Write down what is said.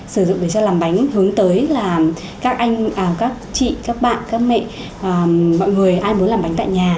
sử dụng để cho làm bánh hướng tới là các anh các chị các bạn các mẹ mọi người ai muốn làm bánh tại nhà